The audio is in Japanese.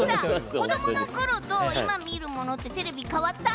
子どものころと今見るものってテレビ、変わった？